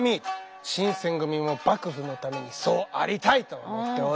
新選組も幕府のためにそうありたいと思っておる。